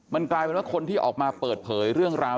มันกลายเป็นว่าคนที่ออกมาเปิดเผยเรื่องราว